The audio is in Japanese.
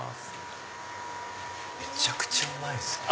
めちゃくちゃうまいっすね。